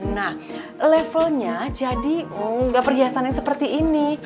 nah levelnya jadi nggak perhiasan yang seperti ini